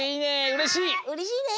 うれしいね！